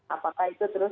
apakah itu terus